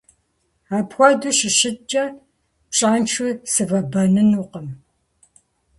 Апхуэдэу щыщыткӀэ, пщӀэншэу сывэбэнынукъым.